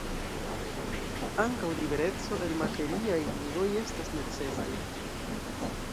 Ankaŭ libereco el materiaj ligoj estas necesaj.